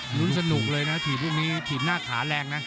ลุ้นสนุกเลยนะถีบหน้าขาแรงนะ